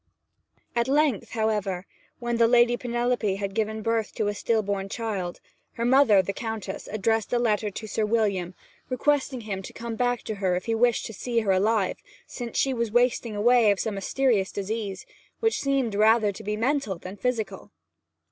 At length, however, when the Lady Penelope had given birth to a still born child, her mother, the Countess, addressed a letter to Sir William, requesting him to come back to her if he wished to see her alive; since she was wasting away of some mysterious disease, which seemed to be rather mental than physical.